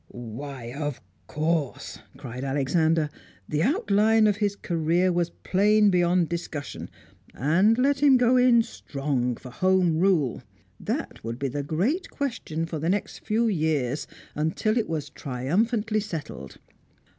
"Why, of course!" cried Alexander; the outline of his career was plain beyond discussion. And let him go in strong for Home Rule. That would be the great question for the next few years, until it was triumphantly settled.